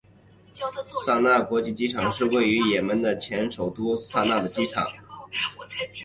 萨那国际机场是位于也门的前首都萨那的机场。